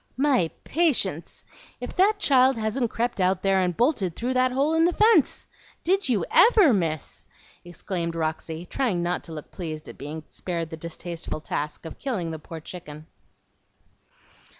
"My patience! if that child hasn't crept out there, and bolted through that hole in the fence! Did you ever, Miss?" exclaimed Roxy, trying not to look pleased at being spared the distasteful task of killing the poor chicken.